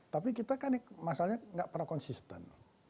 tapi kita kan masalahnya nggak pernah konsisten